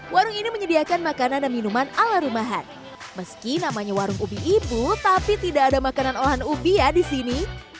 warung ini menyediakan makanan dan minuman ala rumahan meski namanya warung ubi ibu tapi tidak ada makanan olahan ubi ya di sini